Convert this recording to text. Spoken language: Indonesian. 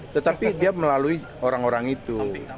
tetapi dia melalui orang orang itu